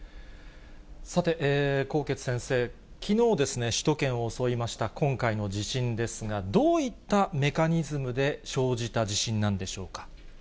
さて、纐纈先生、きのう、首都圏を襲いました今回の地震ですが、どういったメカニズムで生じた地震なんでしょうか。